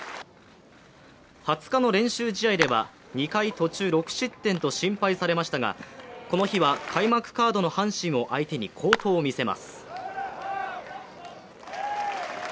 ２０日の練習試合では２回途中６失点と心配されましたが、この日は開幕カードの阪神を相手に好投を見せます。